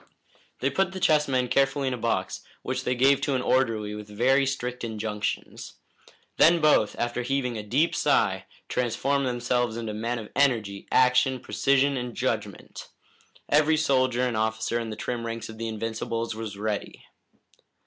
They put the chess men carefully in a box, which they gave to an orderly with very strict injunctions. Then both, after heaving a deep sigh, transformed themselves into men of energy, action, precision and judgment. Every soldier and officer in the trim ranks of the Invincibles was ready.